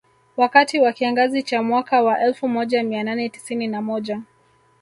Wakati wa kiangazi cha mwaka wa elfu moja mia nane tisini na moja